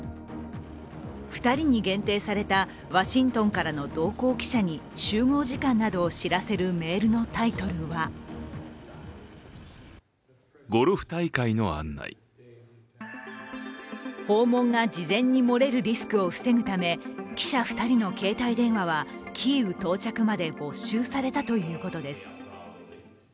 ２人に限定されたワシントンからの同行記者に集合時間などを知らせるメールのタイトルは訪問が事前に漏れるリスクを防ぐため記者２人の携帯電話はキーウ到着まで没収されたということです。